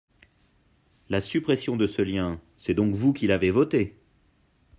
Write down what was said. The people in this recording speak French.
La suppression de ce lien, c’est donc vous qui l’avez votée.